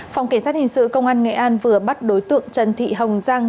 phòng kiểm soát hình sự công an nghệ an vừa bắt đối tượng trần thị hồng giang